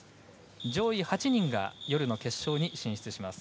上位８人が夜の決勝に進出します。